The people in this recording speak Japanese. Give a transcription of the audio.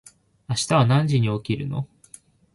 明日は何時に起きるの？